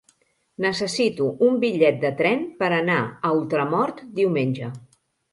Necessito un bitllet de tren per anar a Ultramort diumenge.